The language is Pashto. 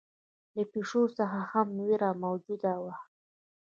له پېشوا څخه هم وېره موجوده وه.